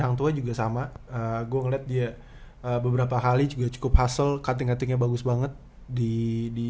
hamburger sama gua ngeliat dia beberapa kali cukup pasal keting katinya bagus banget di di